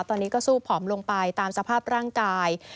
ตอนนี้ก็สู้ผอมลงไปตามสภาพร่างกาย